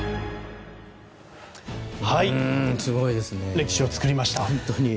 歴史を作りました。